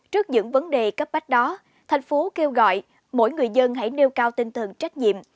trước những vấn đề cấp bách đó thành phố kêu gọi mỗi người dân hãy nêu cao tinh thần trách nhiệm